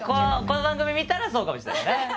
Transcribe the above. この番組見たらそうかもしれないですね。